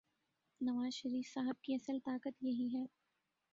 نوازشریف صاحب کی اصل طاقت یہی ہے۔